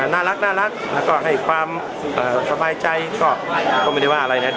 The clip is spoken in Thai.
น่ารักให้ความสบายใจก็ไม่ได้ว่าไหมงั้น